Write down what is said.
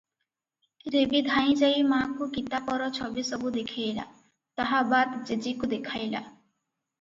ରେବୀ ଧାଇଁ ଯାଇ ମା’କୁ କିତାପର ଛବି ସବୁ ଦେଖେଇଲା; ତାହା ବାଦ ଜେଜୀକୁ ଦେଖାଇଲା ।